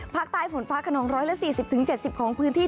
ภาคใต้ฝนฟ้าขนอง๑๔๐๗๐ของพื้นที่